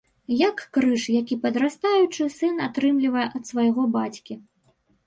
Як крыж, які падрастаючы сын атрымлівае ад свайго бацькі.